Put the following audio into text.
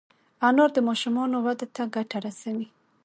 انار د ماشومانو وده ته ګټه رسوي.